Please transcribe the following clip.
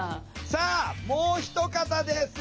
さあもう一方です。